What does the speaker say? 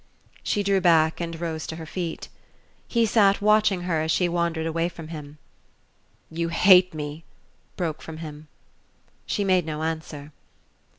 She drew back and rose to her feet. He sat watching her as she wandered away from him. "You hate me," broke from him. She made no answer.